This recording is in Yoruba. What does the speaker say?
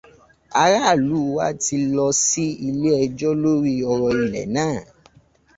Aráàlú wa ti lọ sí ilé ẹjọ́ lórí ọ̀rọ̀ ilẹ̀ náà.